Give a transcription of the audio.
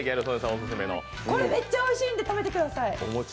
これ、めっちゃおいしいんで食べてください！